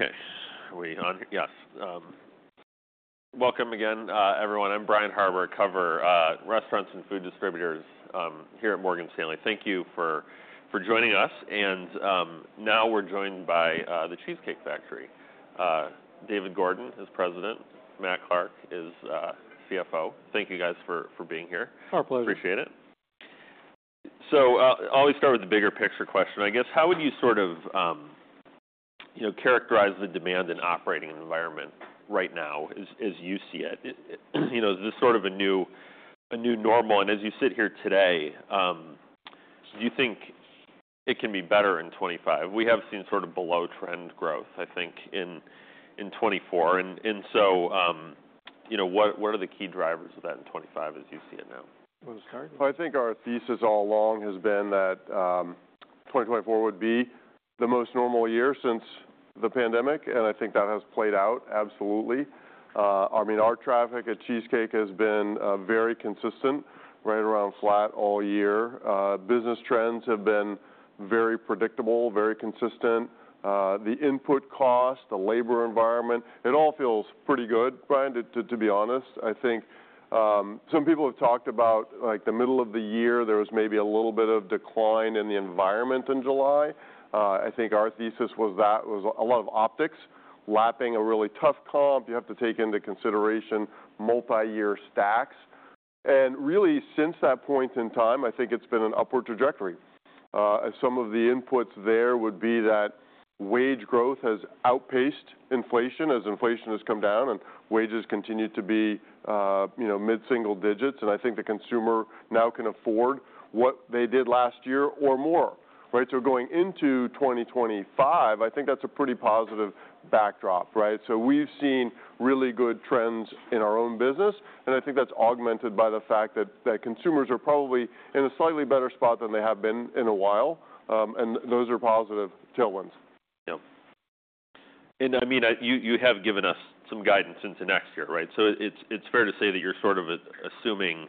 Okay. Welcome again, everyone. I'm Brian Harbour. I cover restaurants and food distributors here at Morgan Stanley. Thank you for joining us. Now we're joined by The Cheesecake Factory. David Gordon is President. Matt Clark is CFO. Thank you, guys, for being here. Our pleasure. Appreciate it. So, I'll always start with the bigger picture question, I guess. How would you sort of, you know, characterize the demand and operating environment right now as you see it? It, you know, is this sort of a new normal? And as you sit here today, do you think it can be better in 2025? We have seen sort of below-trend growth, I think, in 2024. And so, you know, what are the key drivers of that in 2025 as you see it now? What was the question? I think our thesis all along has been that 2024 would be the most normal year since the pandemic. I think that has played out, absolutely. I mean, our traffic at Cheesecake has been very consistent, right around flat all year. Business trends have been very predictable, very consistent. The input cost, the labor environment, it all feels pretty good, Brian, to be honest. I think some people have talked about, like, the middle of the year, there was maybe a little bit of decline in the environment in July. I think our thesis was that was a lot of optics, lapping a really tough comp. You have to take into consideration multi-year stacks. Really, since that point in time, I think it's been an upward trajectory. Some of the inputs there would be that wage growth has outpaced inflation as inflation has come down and wages continue to be, you know, mid-single digits. And I think the consumer now can afford what they did last year or more, right? So going into 2025, I think that's a pretty positive backdrop, right? So we've seen really good trends in our own business. And I think that's augmented by the fact that consumers are probably in a slightly better spot than they have been in a while. And those are positive tailwinds. Yeah. And I mean, you have given us some guidance into next year, right? So it's fair to say that you're sort of assuming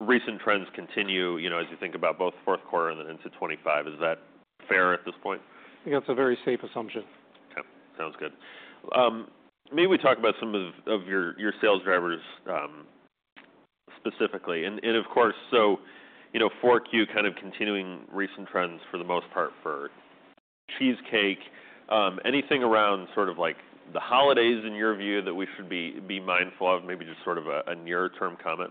recent trends continue, you know, as you think about both fourth quarter and then into 2025. Is that fair at this point? I think that's a very safe assumption. Okay. Sounds good. Maybe we talk about some of your sales drivers, specifically, and of course, so, you know, for Q, kind of continuing recent trends for the most part for Cheesecake. Anything around sort of, like, the holidays in your view that we should be mindful of? Maybe just sort of a near-term comment.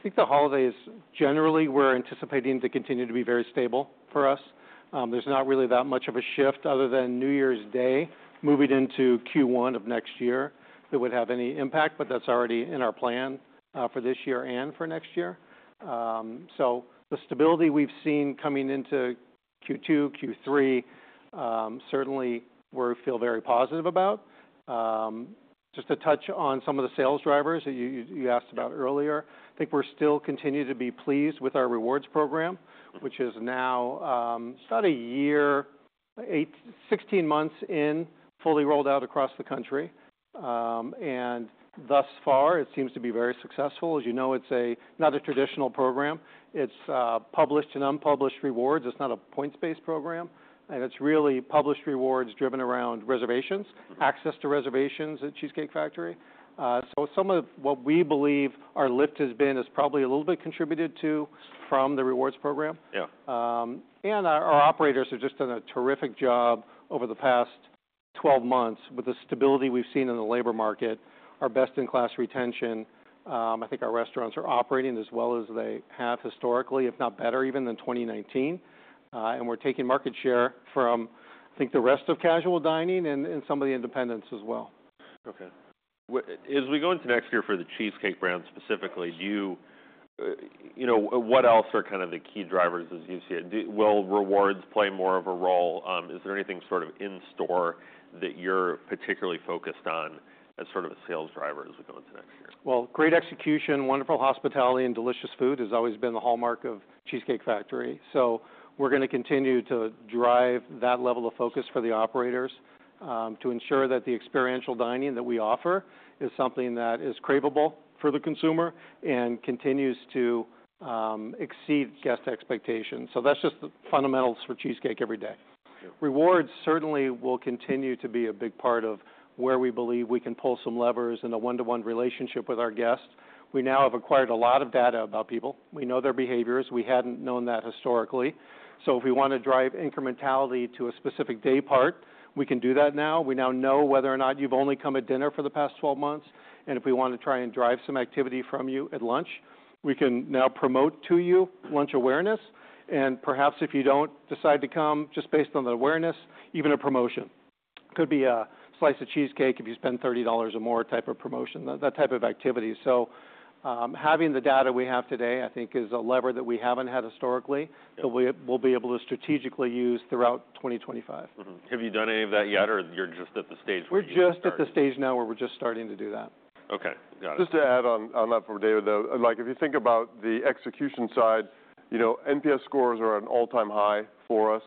I think the holidays, generally, we're anticipating to continue to be very stable for us. There's not really that much of a shift other than New Year's Day moving into Q1 of next year that would have any impact. But that's already in our plan, for this year and for next year, so the stability we've seen coming into Q2, Q3, certainly we feel very positive about. Just to touch on some of the sales drivers that you asked about earlier, I think we're still continuing to be pleased with our rewards program, which is now, it's about a year, eight, 16 months in, fully rolled out across the country, and thus far, it seems to be very successful. As you know, it's not a traditional program. It's published and unpublished rewards. It's not a points-based program. It's really published rewards driven around reservations, access to reservations at Cheesecake Factory. So some of what we believe our lift has been probably a little bit contributed to from the rewards program. Yeah. And our operators have just done a terrific job over the past 12 months with the stability we've seen in the labor market, our best-in-class retention. I think our restaurants are operating as well as they have historically, if not better even than 2019. And we're taking market share from, I think, the rest of casual dining and some of the independents as well. Okay. As we go into next year for the Cheesecake brand specifically, do you, you know, what else are kind of the key drivers as you see it? Will rewards play more of a role? Is there anything sort of in store that you're particularly focused on as sort of a sales driver as we go into next year? Great execution, wonderful hospitality, and delicious food has always been the hallmark of Cheesecake Factory. We're gonna continue to drive that level of focus for the operators, to ensure that the experiential dining that we offer is something that is craveable for the consumer and continues to exceed guest expectations. That's just the fundamentals for Cheesecake every day. Yeah. Rewards certainly will continue to be a big part of where we believe we can pull some levers in a one-to-one relationship with our guests. We now have acquired a lot of data about people. We know their behaviors. We hadn't known that historically. So if we wanna drive incrementality to a specific day part, we can do that now. We now know whether or not you've only come at dinner for the past 12 months. And if we wanna try and drive some activity from you at lunch, we can now promote to you lunch awareness. And perhaps if you don't decide to come, just based on the awareness, even a promotion. Could be a slice of cheesecake if you spend $30 or more type of promotion, that type of activity. So, having the data we have today, I think, is a lever that we haven't had historically. Yeah. That we will be able to strategically use throughout 2025. Mm-hmm. Have you done any of that yet, or you're just at the stage where you're? We're just at the stage now where we're just starting to do that. Okay. Got it. Just to add on, on that from David, though, like, if you think about the execution side, you know, NPS scores are at an all-time high for us.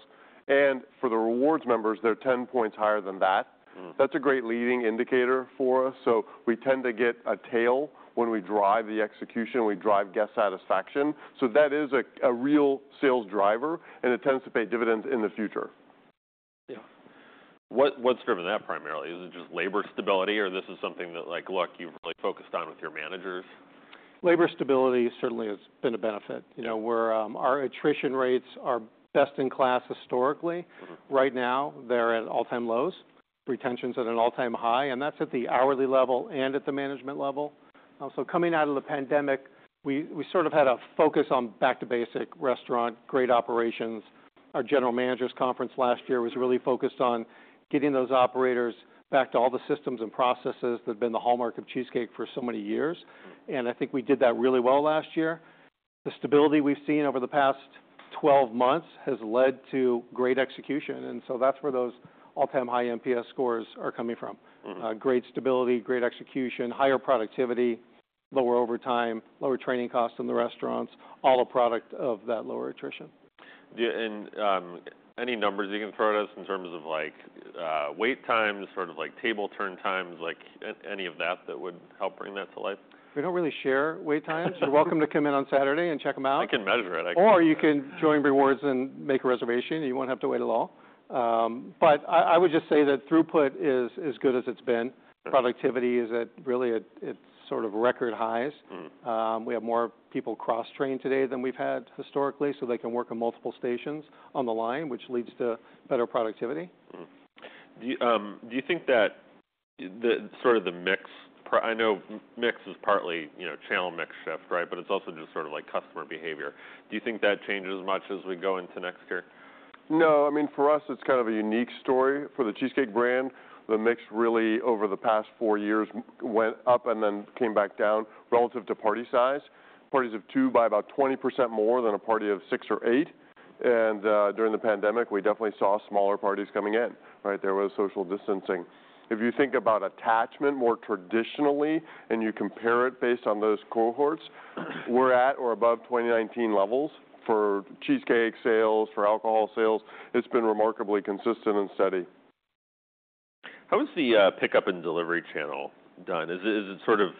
And for the rewards members, they're 10 points higher than that. Mm-hmm. That's a great leading indicator for us. So we tend to get a tail when we drive the execution, we drive guest satisfaction. So that is a real sales driver, and it tends to pay dividends in the future. Yeah. What's driven that primarily? Is it just labor stability, or this is something that, like, you've really focused on with your managers? Labor stability certainly has been a benefit. You know, we're, our attrition rates are best in class historically. Mm-hmm. Right now, they're at all-time lows. Retention's at an all-time high, and that's at the hourly level and at the management level, so coming out of the pandemic, we sort of had a focus on back-to-basics restaurant, great operations. Our general managers' conference last year was really focused on getting those operators back to all the systems and processes that have been the hallmark of Cheesecake for so many years. Mm-hmm. I think we did that really well last year. The stability we've seen over the past 12 months has led to great execution. That's where those all-time high NPS scores are coming from. Mm-hmm. Great stability, great execution, higher productivity, lower overtime, lower training costs in the restaurants, all a product of that lower attrition. Do you have any numbers you can throw at us in terms of, like, wait times, sort of, like, any of that that would help bring that to life? We don't really share wait times. You're welcome to come in on Saturday and check them out. I can measure it, actually. Or you can join rewards and make a reservation. You won't have to wait at all. But I would just say that throughput is good as it's been. Okay. Productivity is really at sort of record highs. Mm-hmm. We have more people cross-trained today than we've had historically, so they can work on multiple stations on the line, which leads to better productivity. Mm-hmm. Do you, do you think that the sort of the mix part, I know mix is partly, you know, channel mix shift, right? But it's also just sort of, like, customer behavior. Do you think that changes as much as we go into next year? No. I mean, for us, it's kind of a unique story. For the Cheesecake brand, the mix really, over the past four years, went up and then came back down relative to party size. Parties of two buy about 20% more than a party of six or eight, and during the pandemic, we definitely saw smaller parties coming in, right? There was social distancing. If you think about attachment more traditionally and you compare it based on those cohorts, we're at or above 2019 levels for Cheesecake sales, for alcohol sales. It's been remarkably consistent and steady. How is the pickup and delivery channel done? Is it sort of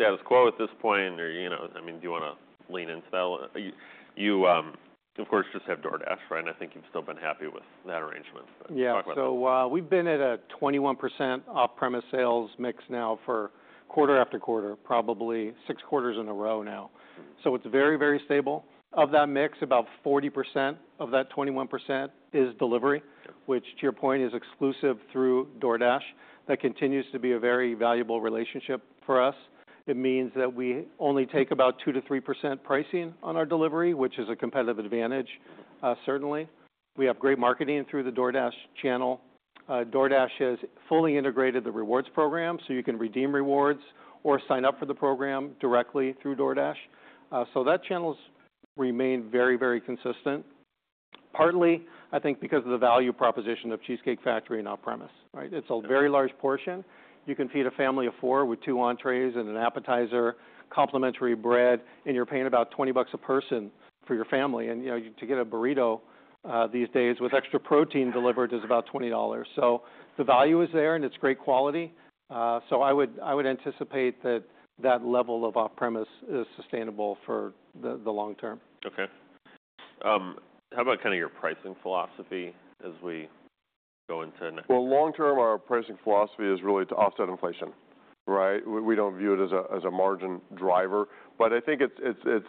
status quo at this point, or, you know, I mean, do you wanna lean into that? You of course just have DoorDash, right? And I think you've still been happy with that arrangement. Yeah. Talk about that. We've been at a 21% off-premise sales mix now for quarter after quarter, probably six quarters in a row now. Mm-hmm. So it's very, very stable. Of that mix, about 40% of that 21% is delivery, which, to your point, is exclusive through DoorDash. That continues to be a very valuable relationship for us. It means that we only take about 2%-3% pricing on our delivery, which is a competitive advantage, certainly. We have great marketing through the DoorDash channel. DoorDash has fully integrated the rewards program, so you can redeem rewards or sign up for the program directly through DoorDash. So that channel's remained very, very consistent, partly, I think, because of the value proposition of Cheesecake Factory and off-premise, right? It's a very large portion. You can feed a family of four with two entrees and an appetizer, complimentary bread, and you're paying about $20 a person for your family. And you know, to get a burrito these days with extra protein delivered is about $20. So the value is there, and it's great quality. So I would anticipate that level of off-premise is sustainable for the long term. Okay. How about kind of your pricing philosophy as we go into next? Long term, our pricing philosophy is really to offset inflation, right? We don't view it as a margin driver, but I think it's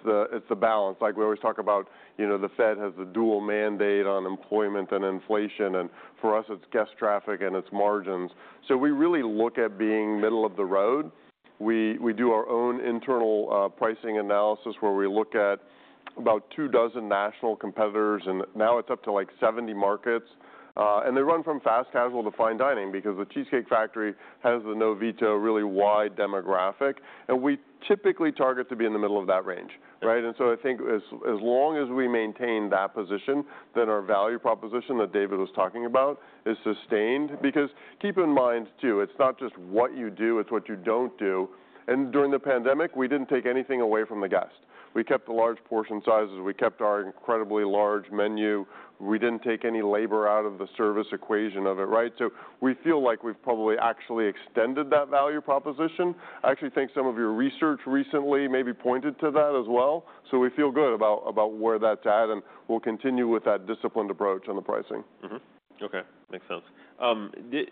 the balance. Like, we always talk about, you know, the Fed has a dual mandate on employment and inflation. For us, it's guest traffic and its margins, so we really look at being middle of the road. We do our own internal pricing analysis where we look at about two dozen national competitors, and now it's up to, like, 70 markets, and they run from fast casual to fine dining because The Cheesecake Factory has the no-veto, really wide demographic, and we typically target to be in the middle of that range, right? So I think as long as we maintain that position, then our value proposition that David was talking about is sustained. Because keep in mind, too, it's not just what you do, it's what you don't do. And during the pandemic, we didn't take anything away from the guest. We kept the large portion sizes. We kept our incredibly large menu. We didn't take any labor out of the service equation of it, right? So we feel like we've probably actually extended that value proposition. I actually think some of your research recently maybe pointed to that as well. So we feel good about where that's at. And we'll continue with that disciplined approach on the pricing. Mm-hmm. Okay. Makes sense. Do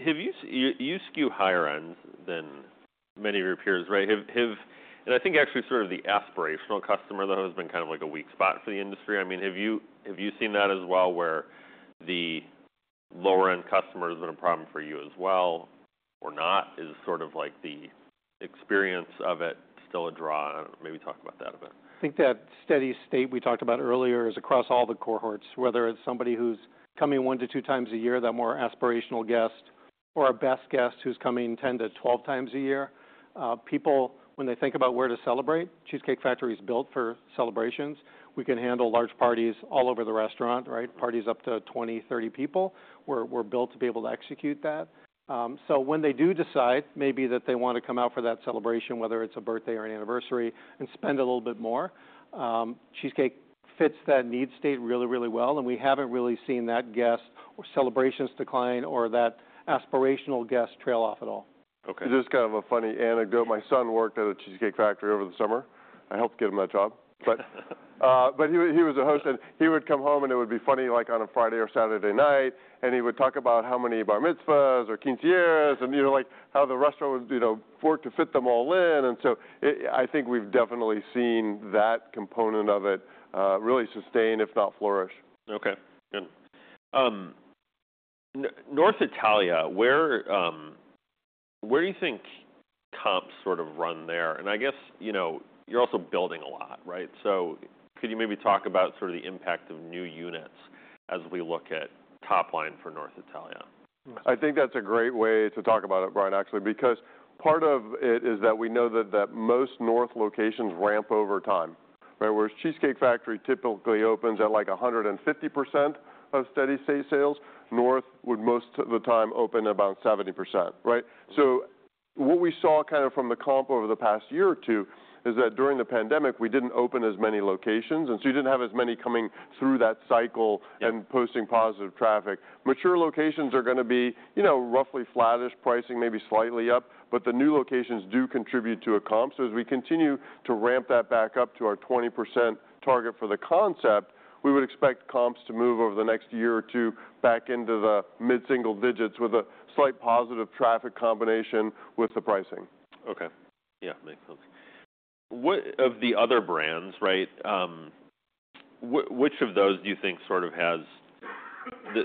you skew higher-end than many of your peers, right? And I think actually sort of the aspirational customer, though, has been kind of, like, a weak spot for the industry. I mean, have you seen that as well where the lower-end customer has been a problem for you as well or not? Is sort of, like, the experience of it still a draw? And maybe talk about that a bit. I think that steady state we talked about earlier is across all the cohorts, whether it's somebody who's coming one to two times a year, that more aspirational guest, or a best guest who's coming 10-12 times a year. People, when they think about where to celebrate, Cheesecake Factory's built for celebrations. We can handle large parties all over the restaurant, right? Parties up to 20-30 people. We're built to be able to execute that so when they do decide maybe that they wanna come out for that celebration, whether it's a birthday or an anniversary, and spend a little bit more, Cheesecake fits that need state really, really well, and we haven't really seen that guest or celebrations decline or that aspirational guest trail off at all. Okay. This is kind of a funny anecdote. My son worked at a Cheesecake Factory over the summer. I helped get him that job. But he was a host, and he would come home, and it would be funny, like, on a Friday or Saturday night, and he would talk about how many bar mitzvahs or quinceañeras and, you know, like, how the restaurant would, you know, work to fit them all in. And so it, I think we've definitely seen that component of it, really sustain, if not flourish. Okay. Good. North Italia, where do you think comps sort of run there? And I guess, you know, you're also building a lot, right? So could you maybe talk about sort of the impact of new units as we look at top line for North Italia? I think that's a great way to talk about it, Brian, actually, because part of it is that we know that most North Italia locations ramp over time, right? Whereas Cheesecake Factory typically opens at, like, 150% of steady state sales, North Italia would most of the time open about 70%, right? So what we saw kind of from the comp over the past year or two is that during the pandemic, we didn't open as many locations, and so you didn't have as many coming through that cycle and posting positive traffic. Mature locations are gonna be, you know, roughly flattish pricing, maybe slightly up, but the new locations do contribute to a comp. As we continue to ramp that back up to our 20% target for the concept, we would expect comps to move over the next year or two back into the mid-single digits with a slight positive traffic combination with the pricing. Okay. Yeah. Makes sense. What of the other brands, right? Which of those do you think sort of has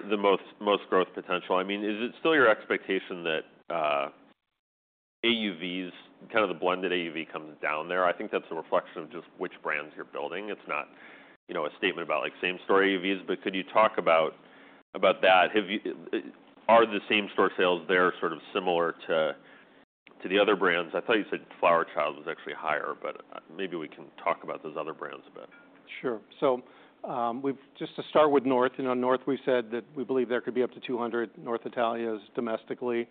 the most growth potential? I mean, is it still your expectation that AUVs kind of the blended AUV comes down there? I think that's a reflection of just which brands you're building. It's not, you know, a statement about, like, same-store AUVs, but could you talk about that? How are the same-store sales there sort of similar to the other brands? I thought you said Flower Child was actually higher, but maybe we can talk about those other brands a bit. Sure. So, we've just to start with North. You know, North, we've said that we believe there could be up to 200 North Italia's domestically.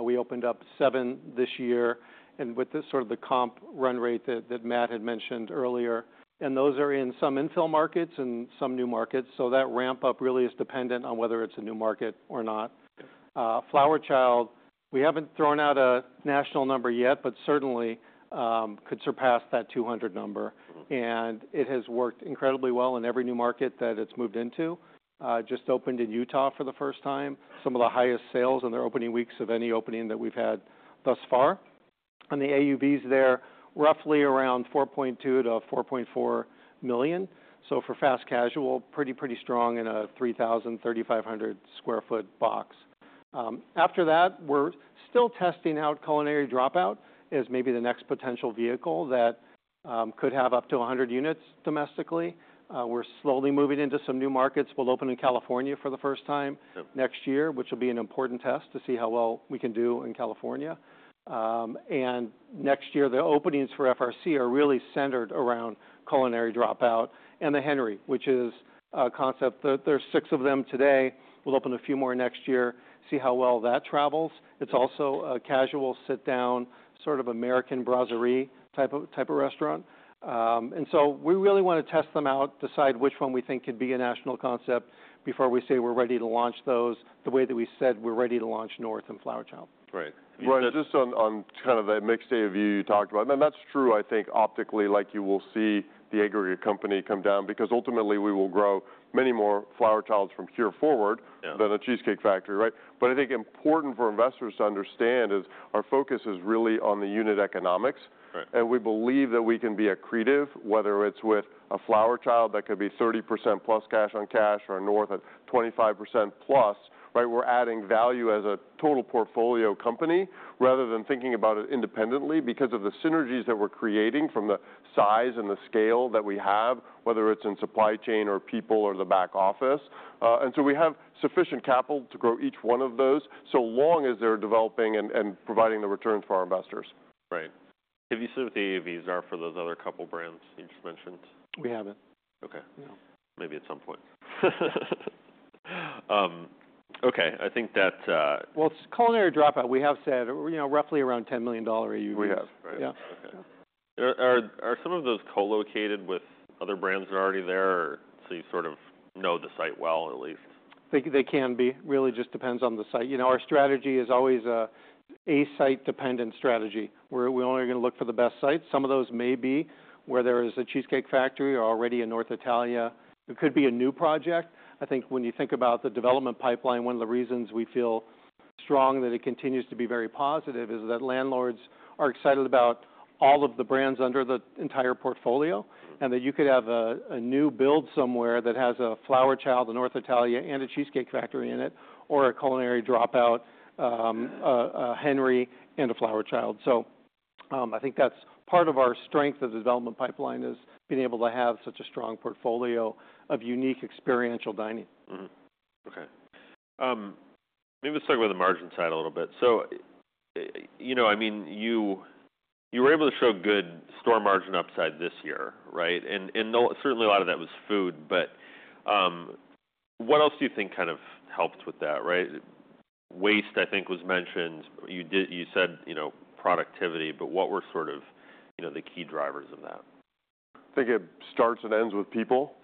We opened up seven this year. And with the sort of the comp run rate that Matt had mentioned earlier. And those are in some infill markets and some new markets. So that ramp-up really is dependent on whether it's a new market or not. Okay. Flower Child, we haven't thrown out a national number yet, but certainly could surpass that 200 number. Mm-hmm. And it has worked incredibly well in every new market that it's moved into. Just opened in Utah for the first time, some of the highest sales in their opening weeks of any opening that we've had thus far. And the AUVs there, roughly around $4.2 million-$4.4 million. So for fast casual, pretty, pretty strong in a 3,000-3,500 sq ft box. After that, we're still testing out Culinary Dropout as maybe the next potential vehicle that could have up to 100 units domestically. We're slowly moving into some new markets. We'll open in California for the first time. Okay. Next year, which will be an important test to see how well we can do in California. Next year, the openings for FRC are really centered around Culinary Dropout and The Henry, which is a concept. There, there's six of them today. We'll open a few more next year, see how well that travels. It's also a casual sit-down, sort of American brasserie type of, type of restaurant. So we really wanna test them out, decide which one we think could be a national concept before we say we're ready to launch those the way that we said we're ready to launch North and Flower Child. Right. Brian, just on kind of that mixed AUV you talked about, and that's true, I think, optically, like, you will see the aggregate company come down because ultimately, we will grow many more Flower Childs from here forward. Yeah. Than a Cheesecake Factory, right? But I think important for investors to understand is our focus is really on the unit economics. Right. And we believe that we can be accretive, whether it's with a Flower Child that could be 30% plus cash on cash or a North Italia at 25% plus, right? We're adding value as a total portfolio company rather than thinking about it independently because of the synergies that we're creating from the size and the scale that we have, whether it's in supply chain or people or the back office. And so we have sufficient capital to grow each one of those so long as they're developing and providing the returns for our investors. Right. Have you said what the AUVs are for those other couple brands you just mentioned? We haven't. Okay. No. Maybe at some point. Okay. I think that, It's Culinary Dropout. We have said, you know, roughly around $10 million AUVs. We have, right? Yeah. Okay. Are some of those co-located with other brands that are already there so you sort of know the site well, at least? They can be. Really just depends on the site. You know, our strategy is always a site-dependent strategy where we're only gonna look for the best sites. Some of those may be where there is a Cheesecake Factory already in North Italia. It could be a new project. I think when you think about the development pipeline, one of the reasons we feel strong that it continues to be very positive is that landlords are excited about all of the brands under the entire portfolio and that you could have a new build somewhere that has a Flower Child, a North Italia, and a Cheesecake Factory in it, or a Culinary Dropout, a Henry and a Flower Child. So, I think that's part of our strength of the development pipeline is being able to have such a strong portfolio of unique experiential dining. Mm-hmm. Okay. Maybe let's talk about the margin side a little bit. So, you know, I mean, you, you were able to show good store margin upside this year, right? And, and certainly, a lot of that was food, but, what else do you think kind of helped with that, right? Waste, I think, was mentioned. You did, you said, you know, productivity, but what were sort of, you know, the key drivers of that? I think it starts and ends with people,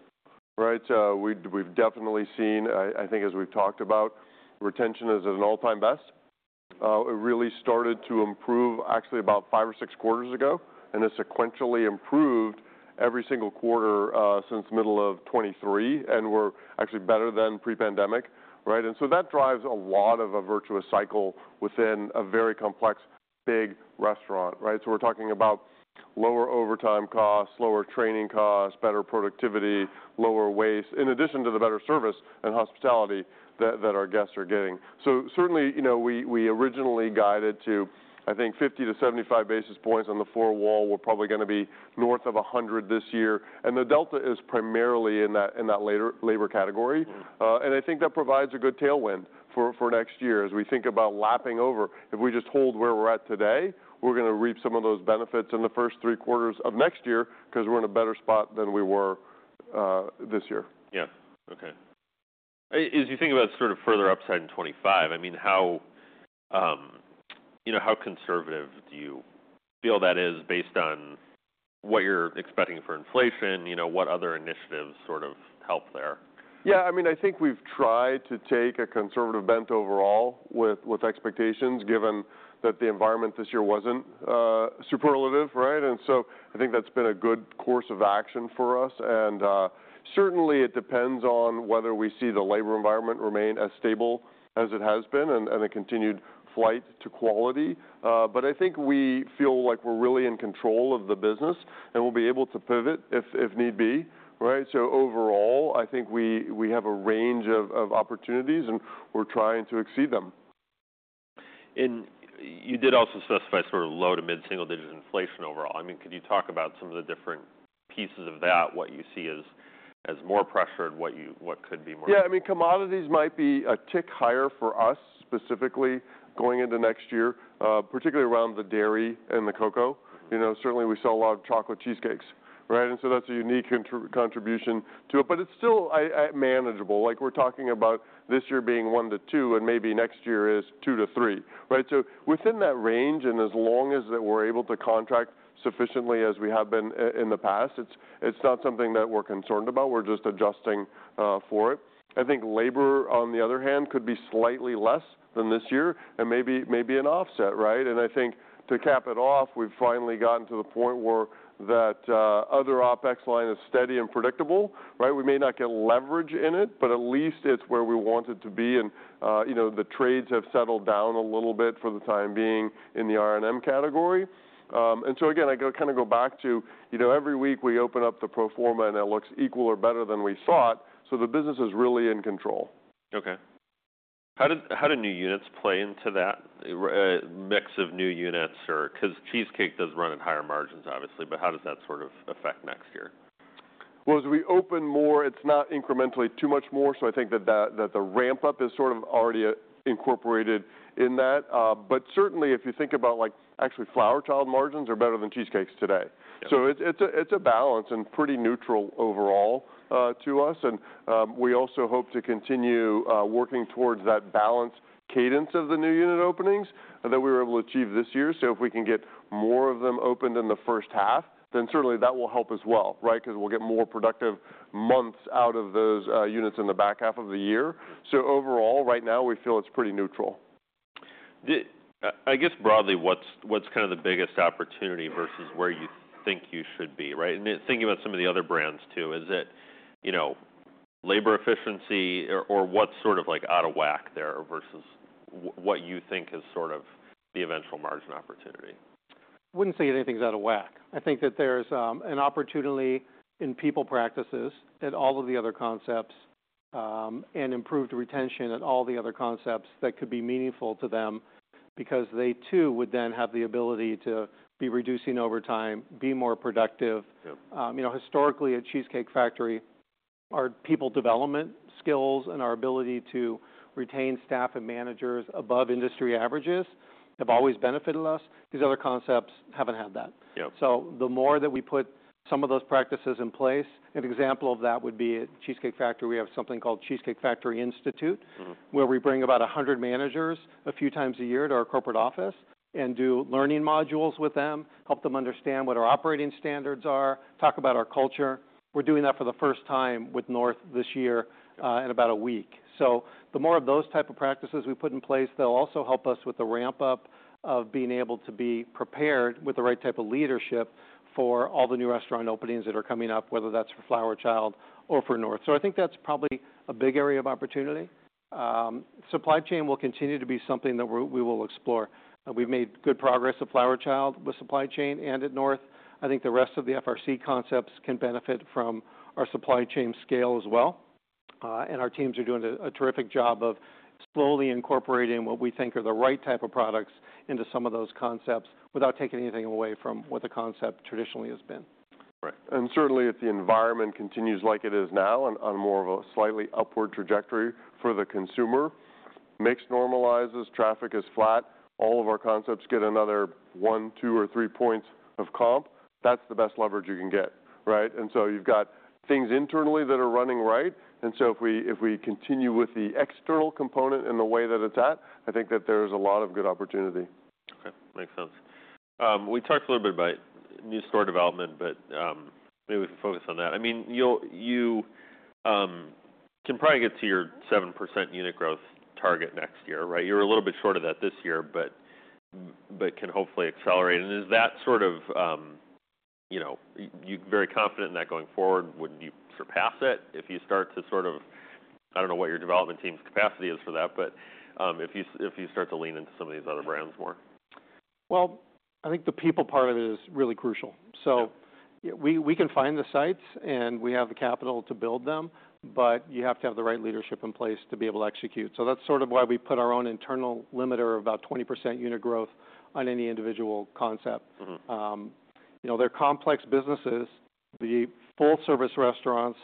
right? We've definitely seen, I think as we've talked about, retention is at an all-time best. It really started to improve actually about five or six quarters ago, and it sequentially improved every single quarter since the middle of 2023, and we're actually better than pre-pandemic, right? That drives a lot of a virtuous cycle within a very complex, big restaurant, right? We're talking about lower overtime costs, lower training costs, better productivity, lower waste, in addition to the better service and hospitality that our guests are getting. Certainly, you know, we originally guided to, I think, 50-75 basis points on the four-wall. We're probably gonna be north of 100 this year. The delta is primarily in that later category. Mm-hmm. and I think that provides a good tailwind for next year as we think about lapping over. If we just hold where we're at today, we're gonna reap some of those benefits in the first three quarters of next year 'cause we're in a better spot than we were this year. Yeah. Okay. As you think about sort of further upside in 2025, I mean, how, you know, how conservative do you feel that is based on what you're expecting for inflation, you know, what other initiatives sort of help there? Yeah. I mean, I think we've tried to take a conservative bent overall with expectations given that the environment this year wasn't superlative, right? And so I think that's been a good course of action for us. And certainly, it depends on whether we see the labor environment remain as stable as it has been and a continued flight to quality. But I think we feel like we're really in control of the business, and we'll be able to pivot if need be, right? So overall, I think we have a range of opportunities, and we're trying to exceed them. You did also specify sort of low to mid-single digit inflation overall. I mean, could you talk about some of the different pieces of that, what you see as more pressure and what could be more? Yeah. I mean, commodities might be a tick higher for us specifically going into next year, particularly around the dairy and the cocoa. Mm-hmm. You know, certainly, we sell a lot of chocolate cheesecakes, right? And so that's a unique contribution to it, but it's still manageable. Like, we're talking about this year being one to two, and maybe next year is two to three, right? So within that range, and as long as that we're able to contract sufficiently as we have been in the past, it's not something that we're concerned about. We're just adjusting for it. I think labor, on the other hand, could be slightly less than this year and maybe an offset, right? And I think to cap it off, we've finally gotten to the point where that other OpEx line is steady and predictable, right? We may not get leverage in it, but at least it's where we want it to be. And, you know, the trades have settled down a little bit for the time being in the R&M category. And so again, I kinda go back to, you know, every week we open up the pro forma, and it looks equal or better than we thought. So the business is really in control. Okay. How did new units play into that, mix of new units or 'cause Cheesecake does run at higher margins, obviously, but how does that sort of affect next year? As we open more, it's not incrementally too much more, so I think that the ramp-up is sort of already incorporated in that. But certainly, if you think about, like, actually Flower Child margins are better than Cheesecake's today. Yeah. So it's a balance and pretty neutral overall, to us. And we also hope to continue working towards that balance cadence of the new unit openings that we were able to achieve this year. So if we can get more of them opened in the first half, then certainly that will help as well, right? 'Cause we'll get more productive months out of those units in the back half of the year. So overall, right now, we feel it's pretty neutral. I, I guess broadly, what's kind of the biggest opportunity versus where you think you should be, right? And thinking about some of the other brands too, is it, you know, labor efficiency or what's sort of, like, out of whack there versus what you think is sort of the eventual margin opportunity? I wouldn't say anything's out of whack. I think that there's an opportunity in people practices at all of the other concepts, and improved retention at all the other concepts that could be meaningful to them because they too would then have the ability to be reducing overtime, be more productive. Yeah. You know, historically, at Cheesecake Factory, our people development skills and our ability to retain staff and managers above industry averages have always benefited us. These other concepts haven't had that. Yeah. So the more that we put some of those practices in place, an example of that would be at Cheesecake Factory. We have something called Cheesecake Factory Institute. Mm-hmm. Where we bring about 100 managers a few times a year to our corporate office and do learning modules with them, help them understand what our operating standards are, talk about our culture. We're doing that for the first time with north this year, in about a week. So the more of those type of practices we put in place, they'll also help us with the ramp-up of being able to be prepared with the right type of leadership for all the new restaurant openings that are coming up, whether that's for Flower Child or for north. So I think that's probably a big area of opportunity. Supply chain will continue to be something that we will explore. And we've made good progress at Flower Child with supply chain and at north. I think the rest of the FRC concepts can benefit from our supply chain scale as well. and our teams are doing a terrific job of slowly incorporating what we think are the right type of products into some of those concepts without taking anything away from what the concept traditionally has been. Right. And certainly, if the environment continues like it is now on, on more of a slightly upward trajectory for the consumer, mix normalizes, traffic is flat, all of our concepts get another one, two, or three points of comp, that's the best leverage you can get, right? And so you've got things internally that are running right. And so if we continue with the external component in the way that it's at, I think that there's a lot of good opportunity. Okay. Makes sense. We talked a little bit about new store development, but, maybe we can focus on that. I mean, you'll, you, can probably get to your 7% unit growth target next year, right? You're a little bit short of that this year, but, but can hopefully accelerate. And is that sort of, you know, you're very confident in that going forward? Would you surpass it if you start to sort of, I don't know what your development team's capacity is for that, but, if you, if you start to lean into some of these other brands more? I think the people part of it is really crucial. Yeah. So we can find the sites, and we have the capital to build them, but you have to have the right leadership in place to be able to execute. So that's sort of why we put our own internal limiter of about 20% unit growth on any individual concept. Mm-hmm. You know, they're complex businesses. The full-service restaurants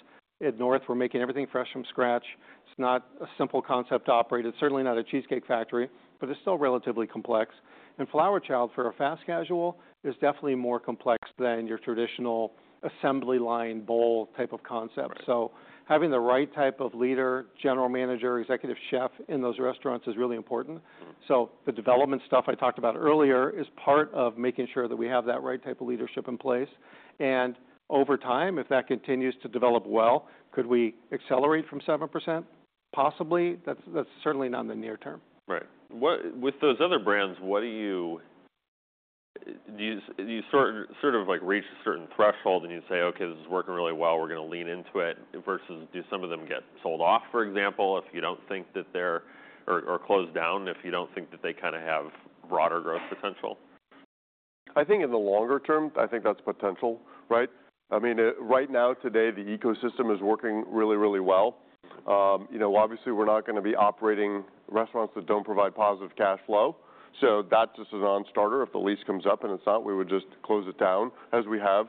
at North Italia, we're making everything fresh from scratch. It's not a simple concept to operate, it's certainly not a Cheesecake Factory, but it's still relatively complex, and Flower Child, for a fast casual, is definitely more complex than your traditional assembly line bowl type of concept. Right. Having the right type of leader, general manager, executive chef in those restaurants is really important. Mm-hmm. So the development stuff I talked about earlier is part of making sure that we have that right type of leadership in place. And over time, if that continues to develop well, could we accelerate from 7%? Possibly. That's certainly not in the near term. Right. With those other brands, what do you sort of like reach a certain threshold and you say, "Okay, this is working really well. We're gonna lean into it," versus do some of them get sold off, for example, if you don't think that they're or close down if you don't think that they kinda have broader growth potential? I think in the longer term, I think that's potential, right? I mean, right now, today, the ecosystem is working really, really well. You know, obviously, we're not gonna be operating restaurants that don't provide positive cash flow. So that's just a non-starter. If the lease comes up and it's not, we would just close it down as we have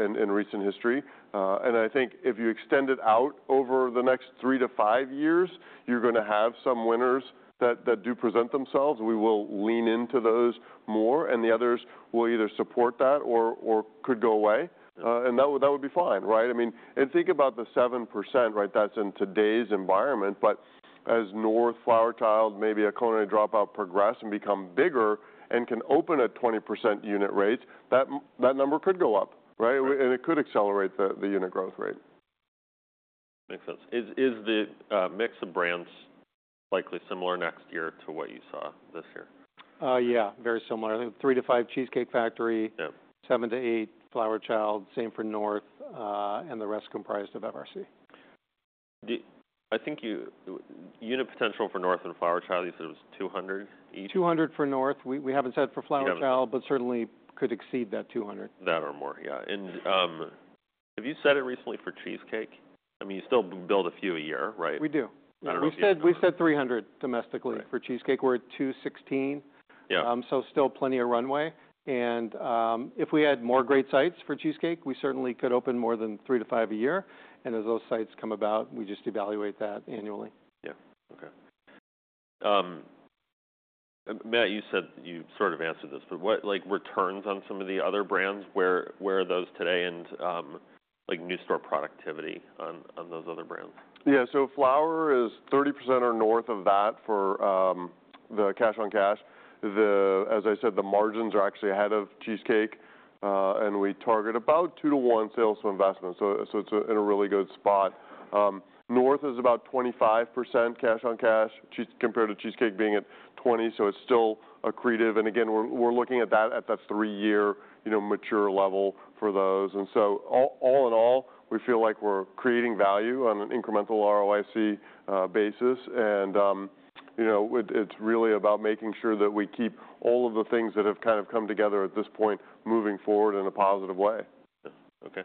in recent history, and I think if you extend it out over the next three to five years, you're gonna have some winners that do present themselves. We will lean into those more, and the others will either support that or could go away. Yeah. And that would be fine, right? I mean, and think about the 7%, right? That's in today's environment, but as North Italia, Flower Child, maybe a Culinary Dropout progress and become bigger and can open at 20% unit rates, that number could go up, right? Yeah. It could accelerate the unit growth rate. Makes sense. Is the mix of brands likely similar next year to what you saw this year? Yeah, very similar. Three to five Cheesecake Factory. Yeah. Seven to eight Flower Child, same for North Italia, and the rest comprised of FRC. Do you think the unit potential for North Italia and Flower Child, you said it was 200 each? 200 for North. We haven't said for Flower Child. Yeah. But certainly could exceed that 200. That or more, yeah. And, have you said it recently for Cheesecake? I mean, you still build a few a year, right? We do. I don't know if you said. We said 300 domestically. Right. For Cheesecake. We're at 216. Yeah. So still plenty of runway. And, if we had more great sites for Cheesecake, we certainly could open more than three to five a year. And as those sites come about, we just evaluate that annually. Yeah. Okay. Matt, you said you sort of answered this, but what, like, returns on some of the other brands, where are those today and, like, new store productivity on those other brands? Yeah. So Flower is 30% or north of that for the cash-on-cash. The, as I said, the margins are actually ahead of Cheesecake, and we target about two-to-one sales to investment. So it's in a really good spot. North is about 25% cash-on-cash compared to Cheesecake being at 20%, so it's still accretive. And again, we're looking at that at the three-year, you know, mature level for those. And so all in all, we feel like we're creating value on an incremental ROIC basis. And, you know, it, it's really about making sure that we keep all of the things that have kind of come together at this point moving forward in a positive way. Yeah. Okay.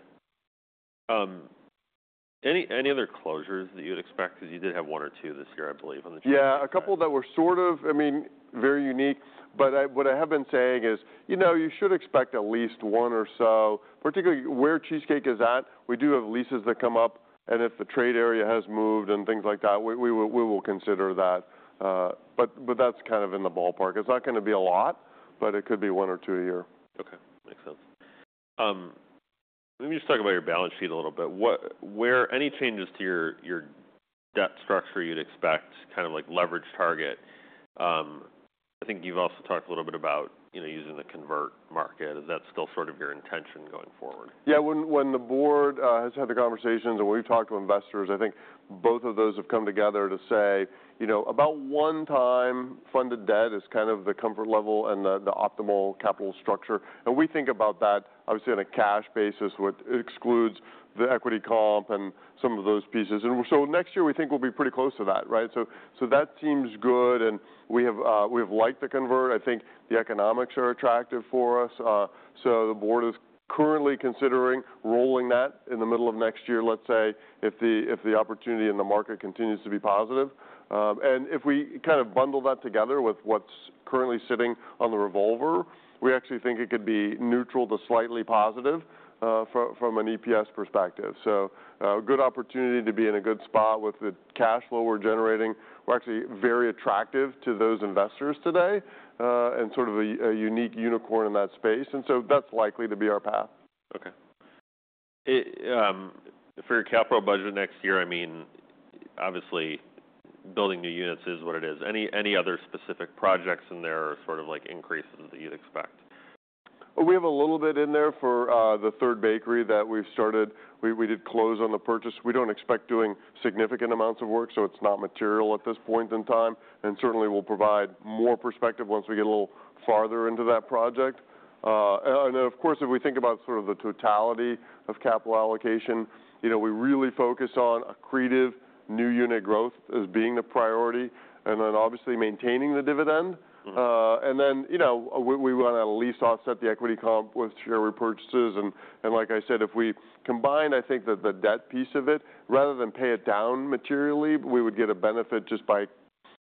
Any other closures that you would expect 'cause you did have one or two this year, I believe, on the chain? Yeah. A couple that were sort of, I mean, very unique, but I, what I have been saying is, you know, you should expect at least one or so, particularly where Cheesecake is at. We do have leases that come up, and if the trade area has moved and things like that, we will consider that, but that's kind of in the ballpark. It's not gonna be a lot, but it could be one or two a year. Okay. Makes sense. Let me just talk about your balance sheet a little bit. What, where any changes to your debt structure you'd expect, kind of like leverage target. I think you've also talked a little bit about, you know, using the convert market. Is that still sort of your intention going forward? Yeah. When the board has had the conversations and we've talked to investors, I think both of those have come together to say, you know, about one-time funded debt is kind of the comfort level and the optimal capital structure. And we think about that, obviously, on a cash basis with it excludes the equity comp and some of those pieces. And so next year, we think we'll be pretty close to that, right? So that seems good. And we have liked the convert. I think the economics are attractive for us. So the board is currently considering rolling that in the middle of next year, let's say, if the opportunity in the market continues to be positive. And if we kind of bundle that together with what's currently sitting on the revolver, we actually think it could be neutral to slightly positive, from an EPS perspective. So, good opportunity to be in a good spot with the cash flow we're generating. We're actually very attractive to those investors today, and sort of a unique unicorn in that space. And so that's likely to be our path. Okay. For your capital budget next year, I mean, obviously, building new units is what it is. Any other specific projects in there or sort of like increases that you'd expect? We have a little bit in there for the third bakery that we've started. We did close on the purchase. We don't expect doing significant amounts of work, so it's not material at this point in time. And certainly, we'll provide more perspective once we get a little farther into that project. And of course, if we think about sort of the totality of capital allocation, you know, we really focus on accretive new unit growth as being the priority and then obviously maintaining the dividend. Mm-hmm. And then, you know, we want to at least offset the equity comp with share repurchases. And like I said, if we combined, I think that the debt piece of it, rather than pay it down materially, we would get a benefit just by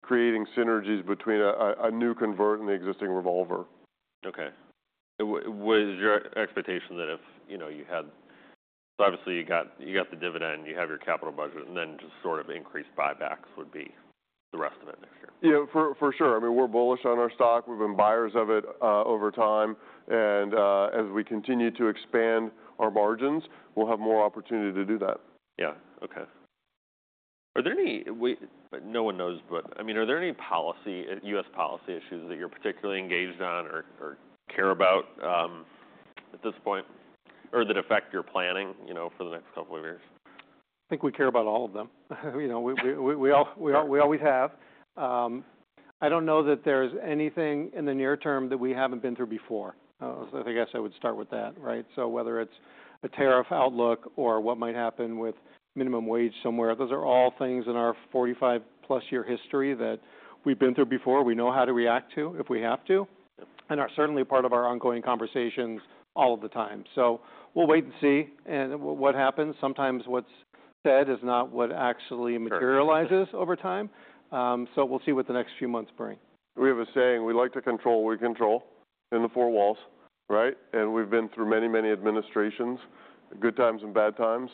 creating synergies between a new convert and the existing revolver. Okay. Was your expectation that if, you know, you had, obviously, you got the dividend, you have your capital budget, and then just sort of increased buybacks would be the rest of it next year? Yeah. For sure. I mean, we're bullish on our stock. We've been buyers of it, over time, and as we continue to expand our margins, we'll have more opportunity to do that. Yeah. Okay. But I mean, are there any U.S. policy issues that you're particularly engaged on or care about at this point or that affect your planning, you know, for the next couple of years? I think we care about all of them. You know, we always have. I don't know that there's anything in the near term that we haven't been through before. So I guess I would start with that, right? So whether it's a tariff outlook or what might happen with minimum wage somewhere, those are all things in our 45-plus year history that we've been through before. We know how to react to if we have to. Yeah. And are certainly part of our ongoing conversations all of the time. So we'll wait and see and what happens. Sometimes what's said is not what actually materializes over time. Yeah. So we'll see what the next few months bring. We have a saying, "We like to control, we control in the four walls," right? And we've been through many, many administrations, good times and bad times.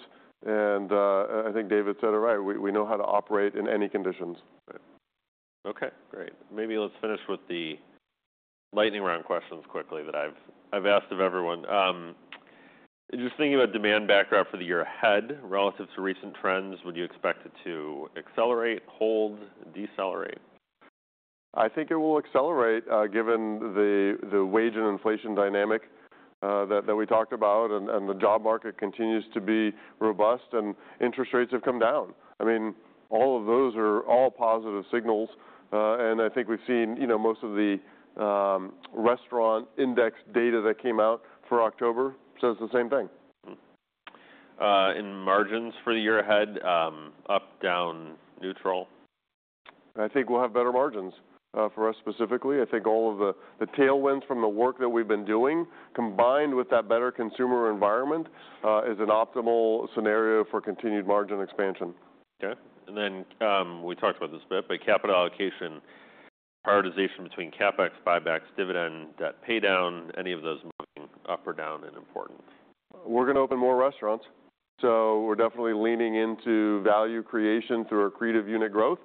And, I think David said it right. We know how to operate in any conditions. Right. Okay. Great. Maybe let's finish with the lightning round questions quickly that I've asked of everyone. Just thinking about demand backdrop for the year ahead relative to recent trends, would you expect it to accelerate, hold, decelerate? I think it will accelerate, given the wage and inflation dynamic that we talked about and the job market continues to be robust and interest rates have come down. I mean, all of those are all positive signals, and I think we've seen, you know, most of the Restaurant Index data that came out for October says the same thing. In margins for the year ahead, up, down, neutral? I think we'll have better margins, for us specifically. I think all of the, the tailwinds from the work that we've been doing combined with that better consumer environment, is an optimal scenario for continued margin expansion. Okay. And then, we talked about this bit, but capital allocation prioritization between CapEx, buybacks, dividend, debt paydown, any of those moving up or down and important? We're gonna open more restaurants, so we're definitely leaning into value creation through accretive unit growth,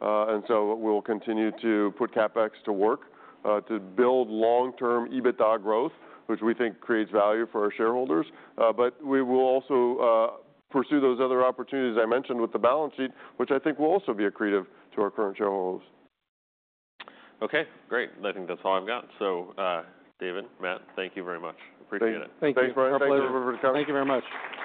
and so we'll continue to put CapEx to work, to build long-term EBITDA growth, which we think creates value for our shareholders, but we will also pursue those other opportunities I mentioned with the balance sheet, which I think will also be accretive to our current shareholders. Okay. Great. I think that's all I've got. So, David, Matt, thank you very much. Appreciate it. Great. Thank you. Thanks, Brian. It's a pleasure. Thank you very much.